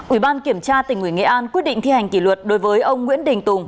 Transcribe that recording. ủy ban kiểm tra tỉnh ủy nghệ an quyết định thi hành kỷ luật đối với ông nguyễn đình tùng